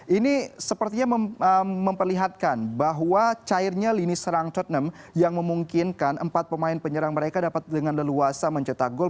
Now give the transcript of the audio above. ini sepertinya memperlihatkan bahwa cairnya lini serang tottenham yang memungkinkan empat pemain penyerang mereka dapat dengan leluasa mencetak gol